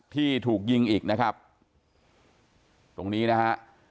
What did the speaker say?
ที่ถูกยิงอีกนะครับตรงนี้นะฮะ